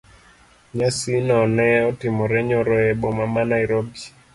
Nyasi no ne otimore nyoro e boma ma Nairobi.